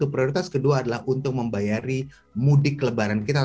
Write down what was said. prioritas kedua adalah untuk membayari mudik lebaran kita